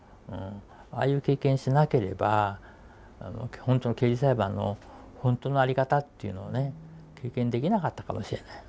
ああいう経験しなければ刑事裁判のほんとの在り方っていうのをね経験できなかったかもしれない。